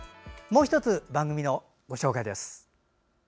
もう１つ番組のご紹介です。